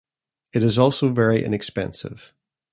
It is also very inexpensive.